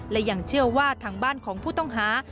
และยังเชื่อว่าทางบ้านของผู้ต้องหา